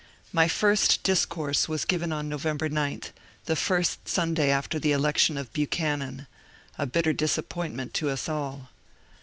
My first discourse was given on November 9, the first Sunday after the election of Buchanan — a bitter disappointment to us all.